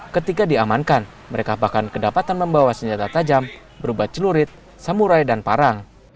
ketika diamankan mereka bahkan kedapatan membawa senjata tajam berubah celurit samurai dan parang